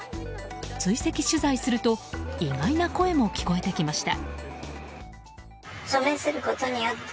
追跡取材すると意外な声も聞こえてきました。